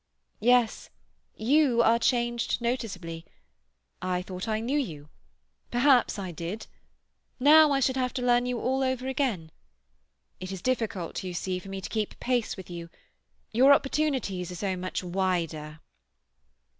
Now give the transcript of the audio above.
"Yes, you are changed noticeably. I thought I knew you; perhaps I did. Now I should have to learn you all over again. It is difficult, you see, for me to keep pace with you. Your opportunities are so much wider."